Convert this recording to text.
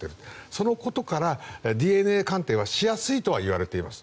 そのことからＤＮＡ鑑定はしやすいとはいわれています。